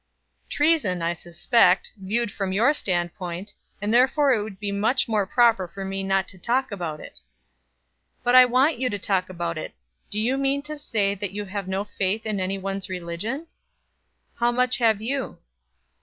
"Treason, I suspect, viewed from your standpoint; and therefore it would be much more proper for me not to talk about it." "But I want you to talk about it. Do you mean to say that you have no faith in any one's religion?" "How much have you?"